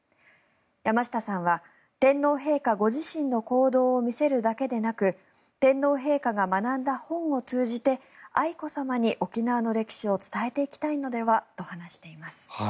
山下さんは天皇陛下御自身の行動を見せるだけでなく天皇陛下が学んだ本を通じて愛子さまに沖縄の歴史を伝えていきたいのではと話しています。